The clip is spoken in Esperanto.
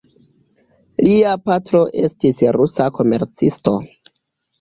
Lia patro estis rusa komercisto.